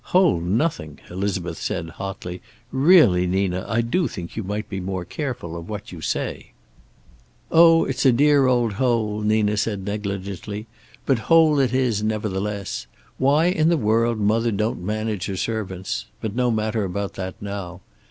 "Hole nothing," Elizabeth said, hotly. "Really, Nina, I do think you might be more careful of what you say." "Oh, it's a dear old hole," Nina said negligently. "But hole it is, nevertheless. Why in the world mother don't manage her servants but no matter about that now.